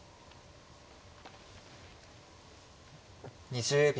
２０秒。